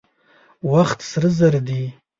وخت سره زر دي.